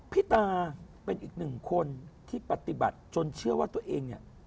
พี่ตาเป็นอีกหนึ่งคนที่ปฏิบัติจนเชื่อว่าตัวเองเนี่ย